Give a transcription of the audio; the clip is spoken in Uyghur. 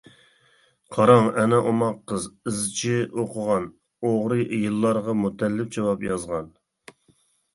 قاراڭ ئەنە ئوماق قىز «ئىز» چى ئوقۇغان، ئوغرى يىللارغا مۇتەللىپ جاۋاب يازغان.